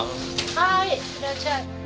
はいいらっしゃい。